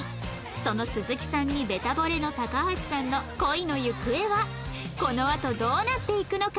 その鈴木さんにべた惚れの高橋さんの恋の行方はこのあとどうなっていくのか？